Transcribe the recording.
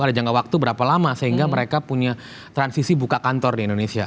ada jangka waktu berapa lama sehingga mereka punya transisi buka kantor di indonesia